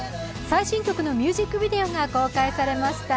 最新曲のミュージックビデオが公開されました。